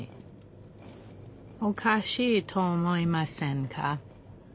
おかしいと思いませんか？